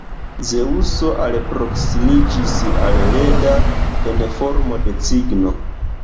Zeŭso alproksimiĝis al Leda en formo de cigno.